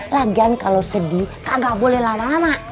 lagian kalo sedih kagak boleh lama lama